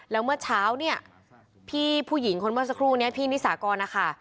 แล้วเมื่อเช้าเนี่ยพี่ผู้หญิงคนเมื่อสักครู่นี้พี่นิสากรนะคะ